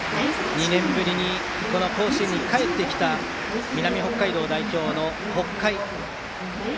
２年ぶりに甲子園に帰ってきた南北海道代表の北海。